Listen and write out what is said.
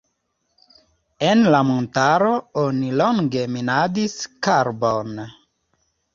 En la montaro oni longe minadis karbon.